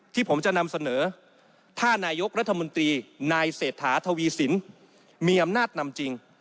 ที่ผมจะนำเสนอถ้านายกรัฐมนตรีนายเศรษฐาทวีสินมีอำนาจนำจริง